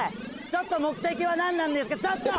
ちょっと目的は何なんですかちょっと！